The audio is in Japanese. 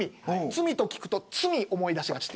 罪と聞くとツミを思い出しがち。